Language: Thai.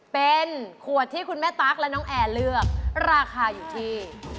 เป็นขวดที่คุณแม่ตั๊กและน้องแอร์เลือกราคาอยู่ที่